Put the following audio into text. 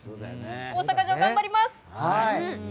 大阪城、頑張ります！